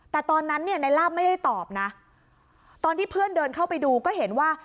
แต่ตอนนั้นเนี่ยในลาบไม่ได้ตอบนะตอนที่เพื่อนเดินเข้าไปดูก็เห็นว่า